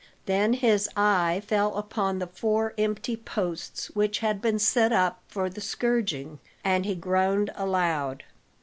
Then his eye fell upon the four empty posts which had been set up for the scourging, and he groaned aloud.